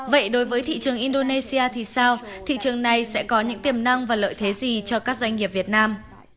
vậy đối với thị trường indonesia thì sao thị trường này sẽ có những tiềm năng và lợi thế gì cho các doanh nghiệp việt nam